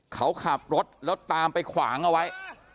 เขาขับรถแล้วตามไปขวางเอาไว้